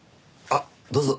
あっどうぞ。